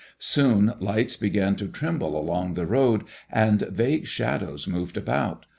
Soon lights began to tremble along the road, and vague shadows moved about.